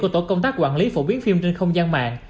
của tổ công tác quản lý phổ biến phim trên không gian mạng